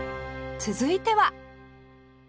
続いては